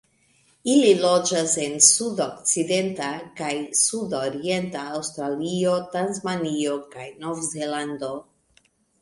Ili loĝas en sudokcidenta kaj sudorienta Aŭstralio, Tasmanio, kaj Novzelando.